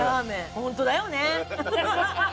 ホントだよね。